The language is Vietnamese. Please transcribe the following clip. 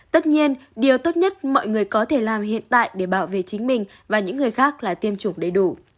tất nhiên điều tốt nhất mọi người có thể làm hiện tại để bảo vệ chính mình và những người khác là tiêm chủng đầy đủ